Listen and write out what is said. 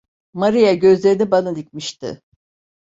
Maria gözlerini bana dikmişti.